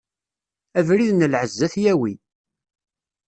Abrid n lɛezz ad t-yawi.